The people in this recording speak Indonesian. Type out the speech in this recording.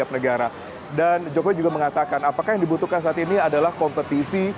jokowi juga mengatakan apakah yang dibutuhkan saat ini adalah kompetisi